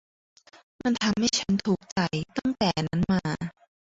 มันทำให้ฉันทุกข์ใจตั้งแต่นั้นมา